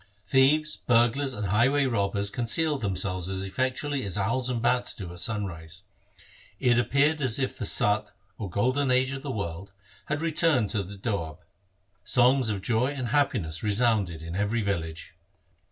Thieves, burglars, and highway robbers concealed themselves as effectually as owls and bats do at sunrise. It appeared as if the Sat, or golden age of the world, had returned to the Doab. Songs of joy and happiness resounded in every village.